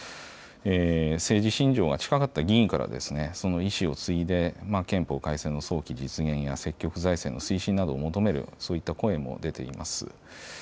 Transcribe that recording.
政治信条が近かった議員からはその遺志を継いで憲法改正の早期実現や積極財政の推進などを求める、そういった声も出ています。